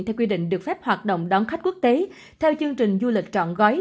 theo quy định được phép hoạt động đón khách quốc tế theo chương trình du lịch trọn gói